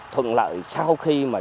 thuận lợi sau khi mà